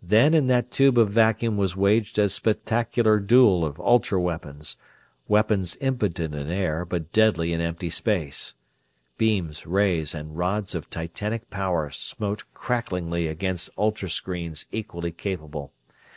Then in that tube of vacuum was waged a spectacular duel of ultra weapons weapons impotent in air, but deadly in empty space. Beams, rays, and rods of Titanic power smote cracklingly against ultra screens equally capable.